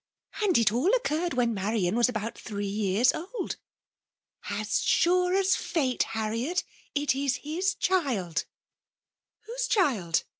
And it all occurred when Marian was about three years old. As sure as fate^ Harriet, it is his child r* ''Whose child?"